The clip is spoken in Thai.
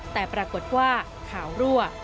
แต่ปรากฏว่าข่าวรั่ว